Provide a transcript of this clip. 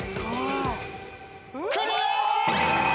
クリア！